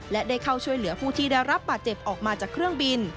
และได้เข้าช่วยเหลือผู้ที่ได้รับบาดเจ็บออกมาจากเครื่องบิน